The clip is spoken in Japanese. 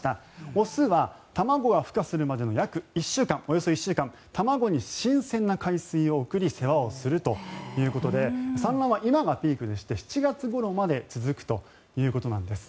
雄は卵が孵化するまでのおよそ１週間卵に新鮮な海水を送り世話をするということで産卵は今がピークでして７月ごろまで続くということです。